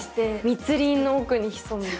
密林の奥に潜む？